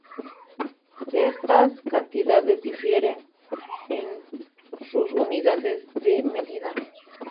Estas cantidades difieren en sus unidades de medida.